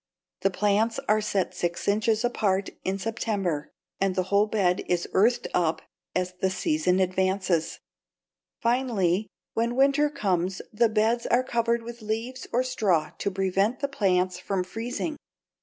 The plants are set six inches apart, in September, and the whole bed is earthed up as the season advances. Finally, when winter comes the beds are covered with leaves or straw to prevent the plants from freezing.